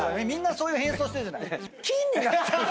みんなそういう変装してるじゃない。